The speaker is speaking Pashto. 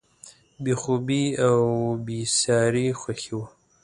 بې خوبي او بېساري خوښي وه.